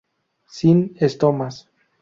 Sin estomas.